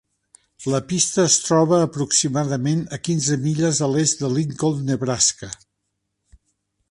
La pista es troba aproximadament a quinze milles a l'est de Lincoln, Nebraska.